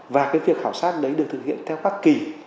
và cái việc khảo sát đấy được thực hiện theo các kỳ